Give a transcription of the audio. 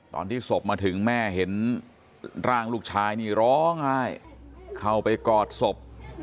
ตอนที่ศพมาถึงแม่เห็นร่างลูกชายนี่ร้องไห้เข้าไปกอดศพ